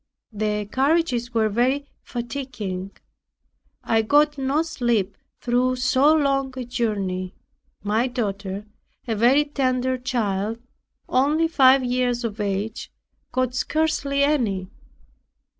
The carriages were very fatiguing; I got no sleep through so long a journey. My daughter, a very tender child, only five years of age, got scarcely any.